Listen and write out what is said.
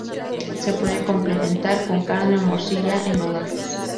Se puede complementar con carne o morcilla en rodajas.